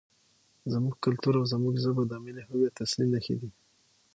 زموږ کلتور او ژبه زموږ د ملي هویت اصلي نښې دي.